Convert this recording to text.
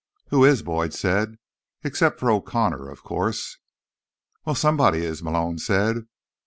"Who is?" Boyd said. "Except for O'Connor, of course." "Well, somebody is," Malone said.